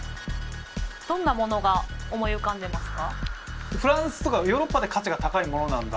どんなものが思い浮かんでますか？